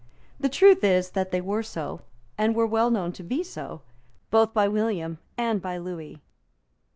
The truth is that they were so, and were well known to be so both by William and by Lewis.